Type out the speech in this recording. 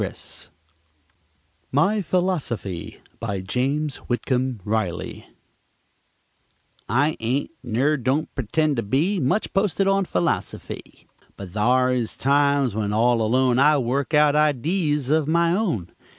] MY PHILOSOFY BY JAMES WHITCOMB RILEY I ain't, ner don't p'tend to be, Much posted on philosofy; But thare is times, when all alone, I work out idees of my own.